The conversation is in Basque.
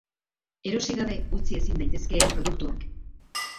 Erosi gabe utzi ezin daitezkeen produktuak!